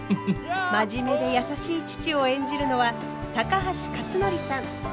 真面目で優しい父を演じるのは高橋克典さん。